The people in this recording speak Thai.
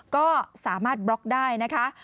ก็สามารถบล็อกได้นะคะ